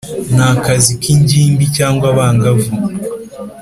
ni akazi kingimbi cyangwa abangavu